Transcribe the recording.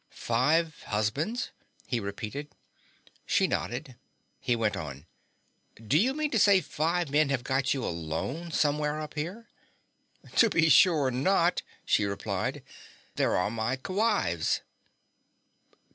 "Five husbands?" he repeated. She nodded. He went on, "Do you mean to say five men have got you alone somewhere up here?" "To be sure not," she replied. "There are my kwives."